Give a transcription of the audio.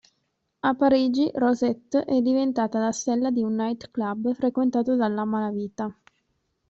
A Parigi, Rosette è diventata la stella di un night club frequentato dalla malavita.